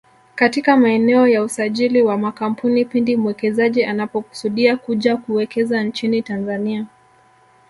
katika maeneo ya usajili wa makampuni pindi mwekezaji anapokusudia kuja kuwekeza nchini Tanzania